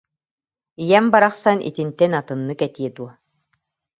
«Ийэм барахсан итинтэн атыннык этиэ дуо